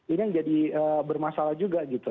ini yang jadi bermasalah juga gitu